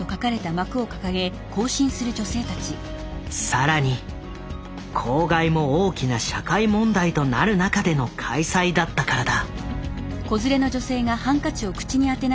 更に公害も大きな社会問題となる中での開催だったからだ。